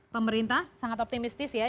pemerintah sangat optimistis ya